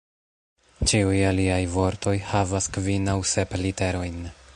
Ĉiuj aliaj vortoj havas kvin aŭ sep literojn.